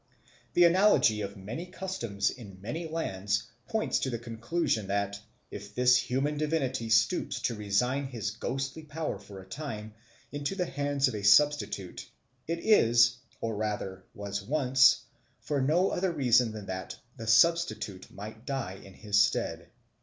The analogy of many customs in many lands points to the conclusion that, if this human divinity stoops to resign his ghostly power for a time into the hands of a substitute, it is, or rather was once, for no other reason than that the substitute might die in his stead.